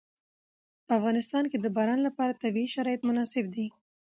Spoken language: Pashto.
په افغانستان کې د باران لپاره طبیعي شرایط مناسب دي.